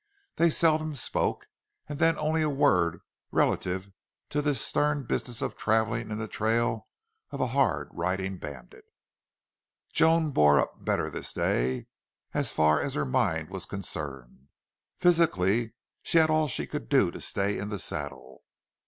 They seldom spoke, and then only a word relative to this stern business of traveling in the trail of a hard riding bandit. Joan bore up better this day, as far as her mind was concerned. Physically she had all she could do to stay in the saddle.